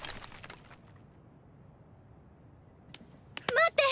待って！